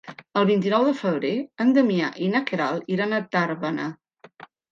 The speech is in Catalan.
El vint-i-nou de febrer en Damià i na Queralt iran a Tàrbena.